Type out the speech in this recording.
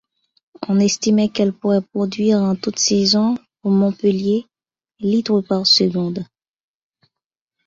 On estimait qu'elle pourrait produire en toute saison, pour Montpellier, litres par seconde.